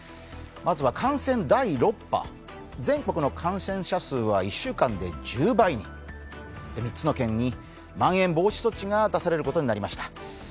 まずは感染第６波、感染者は、１週間で１０倍に３つの県にまん延防止措置が出されることになりました。